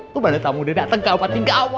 bagaimana kamu udah dateng ke opa tingga awet